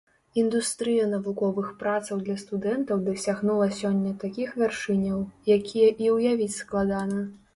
Індустрыя навуковых працаў для студэнтаў дасягнула сёння такіх вяршыняў, якія і ўявіць складана.